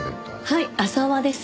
はい浅輪です。